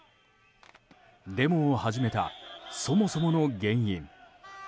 デモを始めたそもそもの原因。